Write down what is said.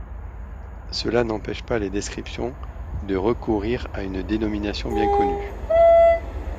Cela n'empêche pas les descriptions de recourir à une dénomination bien connue.